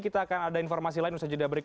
kita akan ada informasi lain usai jeda berikut